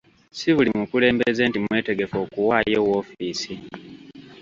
Si buli mukulembeze nti mwetegefu okuwaayo woofiisi.